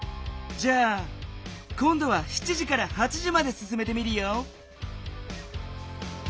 じゃあこんどは７時から８時まですすめてみるよ。